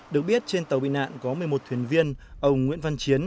được biết trên tàu bị nạn có một mươi một thuyền viên ông nguyễn văn chiến